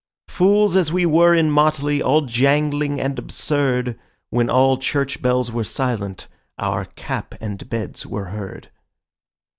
Fools as we were in motley, all jangling and absurd, When all church bells were silent our cap and bells were heard.